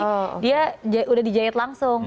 jadi dia udah dijahit langsung